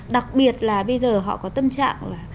đặc biệt là bây giờ họ có tâm trạng là